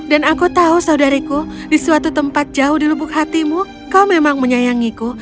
dan aku tahu saudariku di suatu tempat jauh di lubuk hatimu kau memang menyayangiku